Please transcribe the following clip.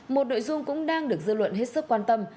một nội dung cũng đang được dư luận hết sức quan tâm